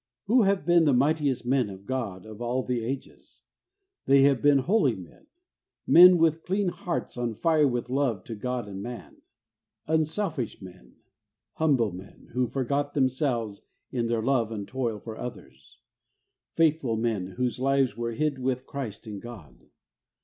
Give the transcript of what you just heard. Who have been the mightiest men of God of all the ages ? They have been holy men ; men with clean hearts on fire with love to God and man ; unselfish men ; humble men, who forgot themselves in their love and toil for others ; faithful men, whose lives were 'hid with Christ in God.